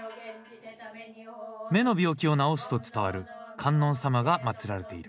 目の病気を治すと伝わる観音様が祭られている。